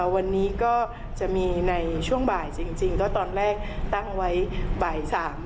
วันนี้ก็จะมีในช่วงบ่ายจริงก็ตอนแรกตั้งไว้บ่าย๓